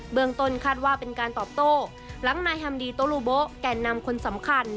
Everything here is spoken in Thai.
เป็นการตอบโตหลังนายฮัมดีโตรูโบะแก่นำคนสำคัญ